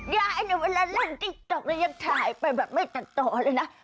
ยายเนี่ยเวลาเล่นติ๊กต๊อกยังถ่ายไปแบบไม่ตัดต่อเลยนะ